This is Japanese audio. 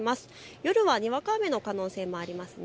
夜はにわか雨の可能性もありますね。